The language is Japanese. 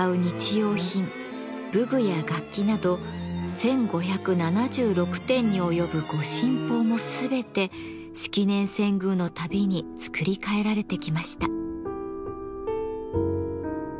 用品武具や楽器など１，５７６点に及ぶ御神宝も全て式年遷宮のたびに作り替えられてきました。